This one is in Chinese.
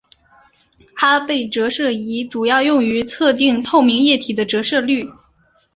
阿贝折射仪主要用于测定透明液体的折射率。